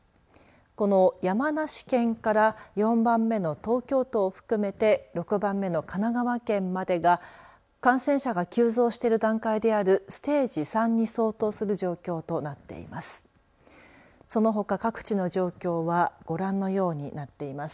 この山梨県から４番目の東京都を含めて６番目の神奈川県までが感染者が急増している段階であるステージ３に相当する状況となっています。